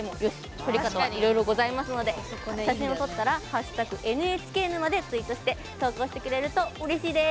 撮り方はいろいろございますので写真を撮ったら「＃ＮＨＫ沼」でツイートして投稿してくれるとうれしいです！